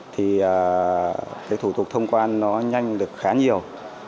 thì cái thủ tục thông quan nó nhanh được khá nhiều